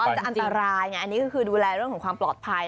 เขาบอกว่าจะอันตรายอันนี้คือดูแลเรื่องของความปลอดภัย